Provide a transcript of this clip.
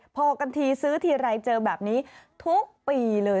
พอกันทีซื้อทีไรเจอแบบนี้ทุกปีเลย